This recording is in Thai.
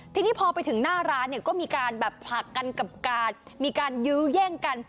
ทีนี้พอไปถึงหน้าร้านเนี่ยก็มีการแบบผลักกันกับการมีการยื้อแย่งกัน